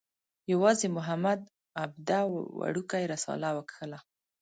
یوازې محمد عبده وړکۍ رساله وکښله.